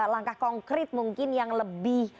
langkah konkret mungkin yang lebih